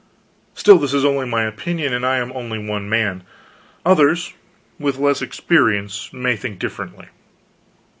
Still, this is only my opinion, and I am only one man; others, with less experience, may think differently.